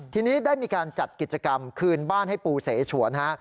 ทีนี้ได้มีการจัดกิจกรรมคืนบ้านให้ปูเสฉวนฮะ